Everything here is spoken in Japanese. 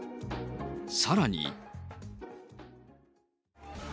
さらに。